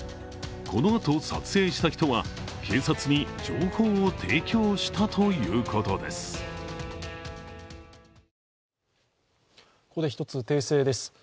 このあと、撮影した人は警察に情報を提供したということです。